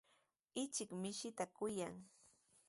Ichik mishinta kuyan.